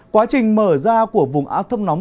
quá trình mở ra của vùng áp thấp nóng